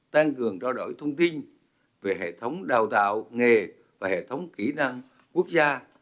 tăng cường trao đổi thông tin về hệ thống đào tạo nghề và hệ thống kỹ năng quốc gia